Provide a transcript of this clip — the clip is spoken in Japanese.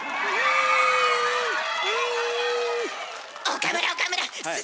岡村岡村す